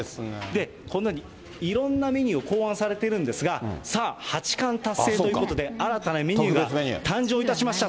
こんなにいろんなメニューを考案されているんですが、さあ、八冠達成ということで、新たなメニューが誕生いたしました。